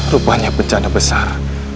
rupanya bencana besar